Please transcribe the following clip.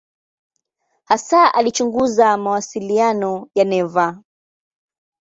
Hasa alichunguza mawasiliano ya neva.